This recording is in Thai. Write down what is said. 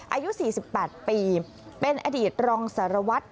อายุ๔๘ปีเป็นอดีตรองสารวัตร